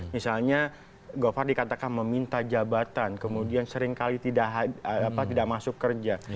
misalnya govar dikatakan meminta jabatan kemudian seringkali tidak masuk kerja